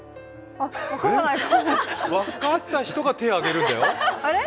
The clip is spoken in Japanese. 分かった人が手を挙げるんだよ。